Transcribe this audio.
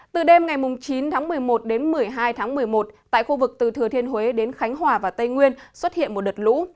từ đêm ngày chín tháng một mươi một đến một mươi hai tháng một mươi một tại khu vực từ thừa thiên huế đến khánh hòa và tây nguyên xuất hiện một đợt lũ